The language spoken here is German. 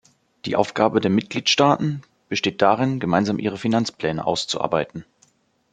Die Aufgabe der Mitgliedstaaten besteht darin, gemeinsam ihre Finanzpläne auszuarbeiten.